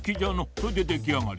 それでできあがり。